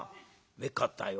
「めっかったよ。